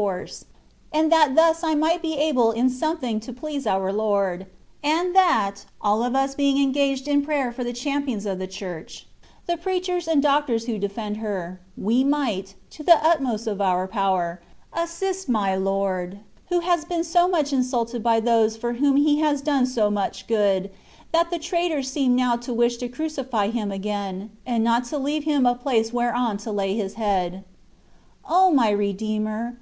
force, and that thus I might be able in something to please our Lord ; and that, all of us being engaged in prayer for the champions of the Church, the preachers and doctors who defend her, we might, to the utmost of our power, assist my Lord, who has been so much insulted by those for whom He has done so much good, that the traitors seem now to wish to crucify Him again, and not to leave Him a place whereon to lay His head. O my Redeemer